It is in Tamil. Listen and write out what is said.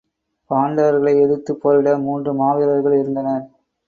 பாண்டவர்களை எதிர்த்துப் போரிட மூன்று மா வீரர்கள் இருந்தனர்.